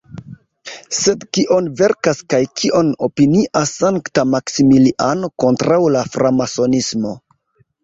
Sed kion verkas kaj kion opinias sankta Maksimiliano kontraŭ la Framasonismo?